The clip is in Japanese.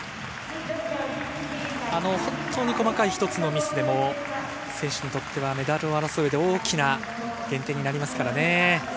本当に細かい一つのミスでも、選手にとってはメダルを争う上で大きな減点になります。